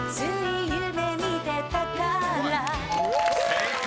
［正解。